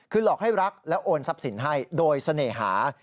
คือหลอกให้รักและโอนทรัพย์สินให้โดยเสน่หา